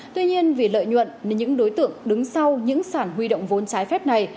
tuy nhiên vì lợi nhuận nên những đối tượng đứng sau những sản huy động vốn trái phép này